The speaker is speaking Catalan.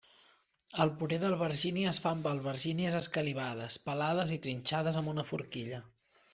El puré d'albergínia es fa amb albergínies escalivades, pelades i trinxades amb una forquilla.